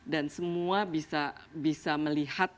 dan semua bisa melihat